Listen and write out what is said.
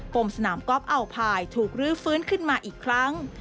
มสนามกอล์อัลพายถูกรื้อฟื้นขึ้นมาอีกครั้ง